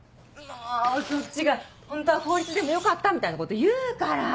もうそっちがホントは公立でもよかったみたいなこと言うから！